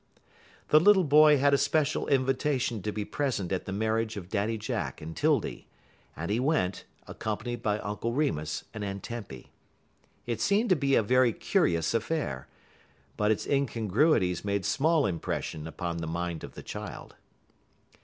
The little boy had a special invitation to be present at the marriage of Daddy Jack and 'Tildy, and he went, accompanied by Uncle Remus and Aunt Tempy. It seemed to be a very curious affair, but its incongruities made small impression upon the mind of the child.